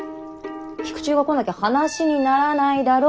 菊千代が来なきゃ話にならないだろ？